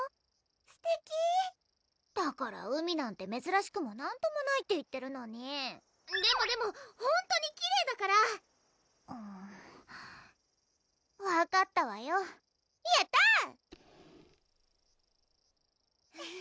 すてきだから海なんてめずらしくもなんともないって言ってるのにでもでもほんとにきれいだから分かったわよやたっ！